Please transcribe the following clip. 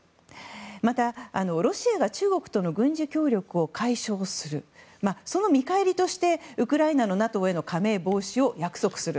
また、ロシアが中国との軍事協力を解消するその見返りとしてウクライナのＮＡＴＯへの加盟防止を約束する。